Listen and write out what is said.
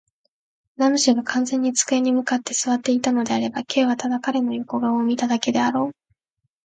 ラム氏が完全に机に向って坐っていたのであれば、Ｋ はただ彼の横顔を見ただけであろう。